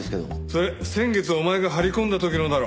それ先月お前が張り込んだ時のだろ。